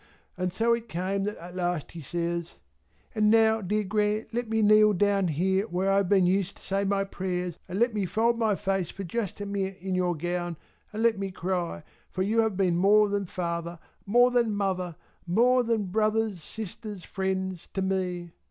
And so it came that at last he says "And now dear Gran let me kneel down here where I have been used to say my prayers and let me fold my face for just a minute in your gown and let me cry, for you have been more than father more than mother more than brothers sisters friends to me!"